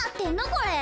これ。